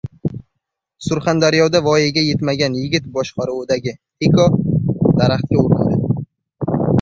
Surxondaryoda voyaga yetmagan yigit boshqaruvidagi «Tico» daraxtga urildi